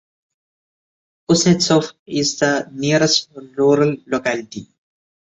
Kuznetsov is the nearest rural locality.